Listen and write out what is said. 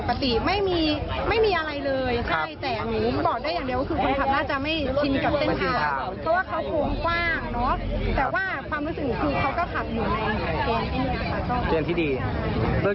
เกณฑ์ที่ดีเริ่มต้นก็ไม่มีใครได้รับบาดเจ็บอันตรายสหรัฐนะครับ